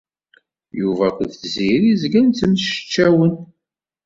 Yuba akked Tiziri zgan ttemceččawen.